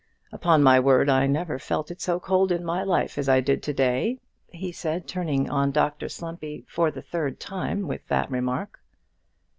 "Upon my word, I never felt it so cold in my life as I did to day," he said, turning on Dr Slumpy for the third time with that remark.